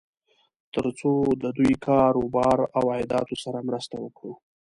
تر څو د دوی کار و بار او عایداتو سره مرسته وکړو.